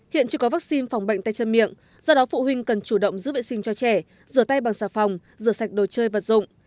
hiện chưa có vaccine phòng bệnh tay chân miệng do đó phụ huynh cần chủ động giữ vệ sinh cho trẻ rửa tay bằng xà phòng rửa sạch đồ chơi vật dụng